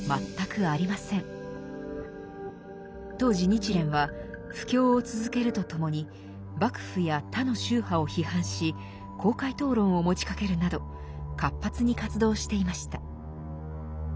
当時日蓮は布教を続けるとともに幕府や他の宗派を批判し公開討論を持ちかけるなど活発に活動していました。